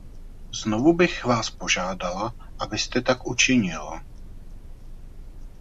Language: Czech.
Znovu bych vás požádala, abyste tak učinil.